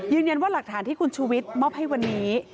ยืนยันว่าหลักฐานที่คุณชูวิทย์มอบให้วันนี้